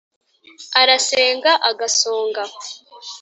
arasenga agasonga